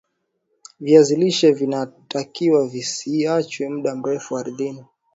viazi lishe vina takiwa visiachwe mda mrefu ardhini